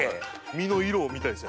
身の色を見たいです